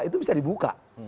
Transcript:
itu bisa dibuka